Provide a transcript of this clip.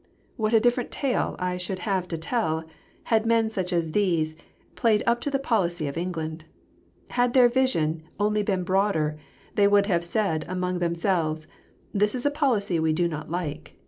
What a different tale I should have to tell had men such as these played up to the policy of England. Had their vision only been broader, they would have said among themselves, "This is a policy we do not like.